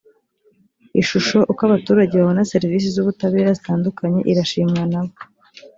ishusho uko abaturage babona serivisi z’ ubutabera zitandukanye irashimwa nabo.